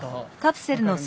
カプセルに。